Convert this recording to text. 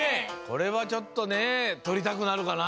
これはちょっとねとりたくなるかな。